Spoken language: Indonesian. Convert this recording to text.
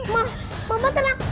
ma mama tenang